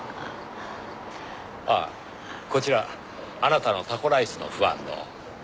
ああこちらあなたのタコライスのファンの。